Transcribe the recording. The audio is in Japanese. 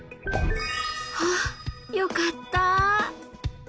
ほっよかった。